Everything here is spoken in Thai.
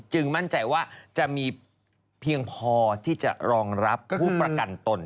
มั่นใจว่าจะมีเพียงพอที่จะรองรับผู้ประกันตน